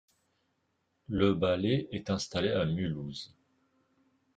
Le Ballet est installé à Mulhouse.